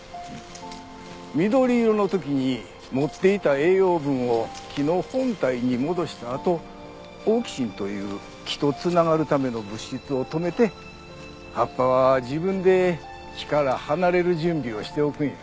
緑色の時に持っていた栄養分を木の本体に戻したあとオーキシンという木と繋がるための物質を止めて葉っぱは自分で木から離れる準備をしておくんや。